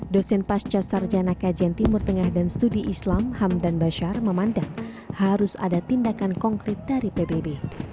dosen pascasar janaka jentimurtengah dan studi islam hamdan bashar memandang harus ada tindakan konkret dari pbb